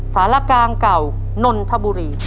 สารกลางเก่านนทบุรี